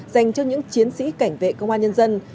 dành cho những chiến sĩ cảnh vệ công an nhân dân